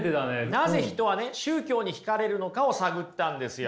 なぜ人は宗教に引かれるのかを探ったんですよ。